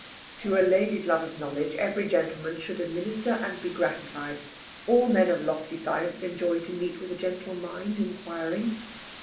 "To a lady's love of knowledge every gentleman should administer and be gratified. All men of lofty science enjoy to meet with a gentle mind inquiring."